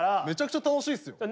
めちゃくちゃ楽しいっす。